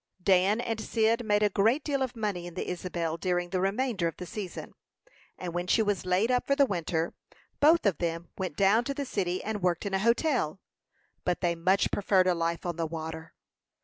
Dan and Cyd made a great deal of money in the Isabel during the remainder of the season, and when she was laid up for the winter, both of them went down to the city and worked in a hotel; but they much preferred a life on the water.